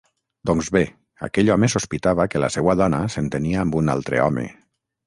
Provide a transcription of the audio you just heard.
Doncs bé, aquell home sospitava que la seua dona s'entenia amb un altre home.